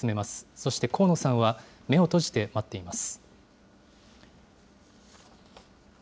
そして、河野さんは目を閉じて待っています。